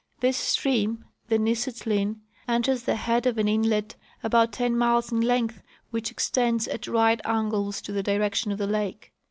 This stream, the Nisutlin, enters the head of an inlet about ten miles in length which extends at right angles to the direction of the lake.